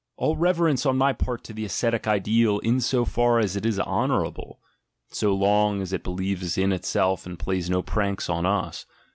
All rever ence on my part to the ascetic ideal, in so far as it is hotn'ir So long as it believes in itself and plays no pranks on us!